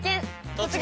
「突撃！